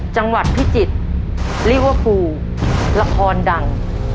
จังหวัดพิจิตรลิเวอร์ฟูลละครดัง